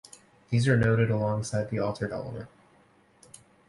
These are noted alongside the altered element.